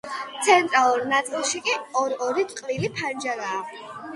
ცენტრალურ ნაწილში კი ორ-ორი წყვილი ფანჯარაა.